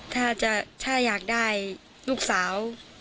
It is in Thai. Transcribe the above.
ถ้าอยากได้ลูกสาว